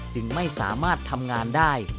จึงไม่สามารถทำงานได้